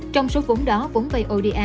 trong số vốn đó vốn vay oda